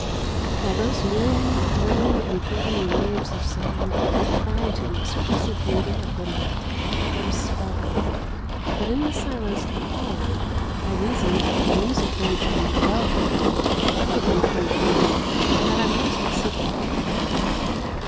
While those yearning, thrilling, imploring waves of sound cried to the exquisite beauty of the night, I was spell bound. But, in the silence that followed, I reasoned that the music came from above me, probably from the roof, and that I might well seek the author of it.